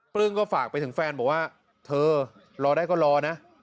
ก็ฝากไปถึงแฟนบอกว่าเธอรอได้ก็รอนะ